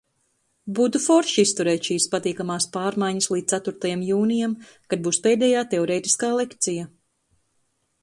Būtu forši izturēt šīs patīkamās pārmaiņas līdz ceturtajam jūnijam, ka būs pēdējā teorētiskā lekcija.